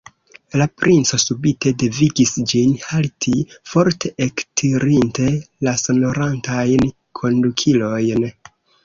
La princo subite devigis ĝin halti, forte ektirinte la sonorantajn kondukilojn.